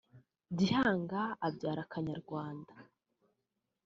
Gihanga abyara Kanyarwanda